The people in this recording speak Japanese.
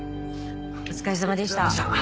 お疲れさまでした。